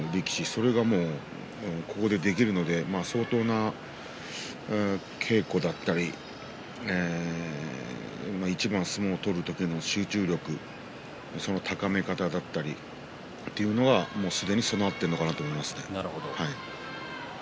それができるので相当な稽古だったり一番相撲を取る時の集中力の高め方だったりすでに備わっているのかなと思います。